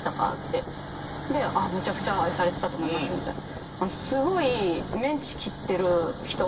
「めちゃくちゃ愛されてたと思います」みたいな。